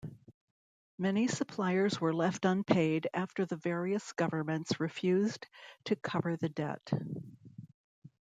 Many suppliers were left unpaid after the various governments refused to cover the debt.